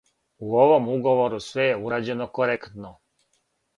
У овом уговору све је урађено коректно.